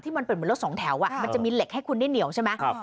มันเป็นเหมือนรถสองแถวมันจะมีเหล็กให้คุณได้เหนียวใช่ไหม